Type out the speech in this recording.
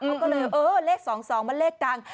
เขาก็เลยเออเลข๒๒มันเลขดัง